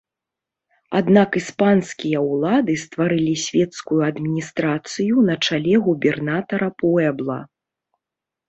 Аднак іспанскія ўлады стварылі свецкую адміністрацыю на чале губернатара пуэбла.